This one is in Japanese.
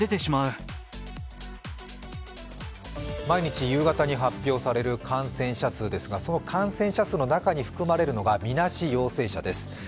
毎日夕方に発表される感染者数ですが、その感染者数の中に含まれるのがみなし陽性者です。